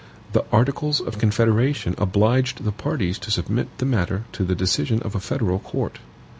The articles of confederation obliged the parties to submit the matter to the decision of a federal court.